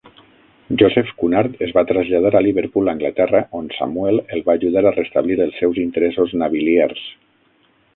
Joseph Cunard es va traslladar a Liverpool, Anglaterra, on Samuel el va ajudar a restablir els seus interessos naviliers.